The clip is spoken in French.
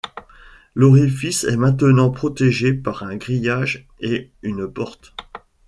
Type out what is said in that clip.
L'orifice est maintenant protégé par un grillage et une porte.